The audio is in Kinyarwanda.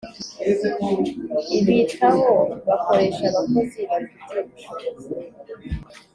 Ibitaho bakoresha abakozi babifitiye ubushobozi